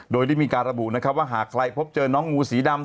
โดยมีการระบุว่าหากใครเจอน้องงูขนาดสี่ดำ